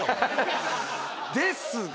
ですが。